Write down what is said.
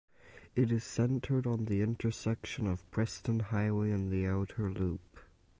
It is centered on the intersection of Preston Highway and the Outer Loop.